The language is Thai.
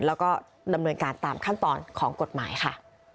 แล้วก็ดำเนินการตามขั้นตอนของกฎหมายค่ะ